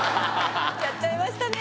やっちゃいましたね。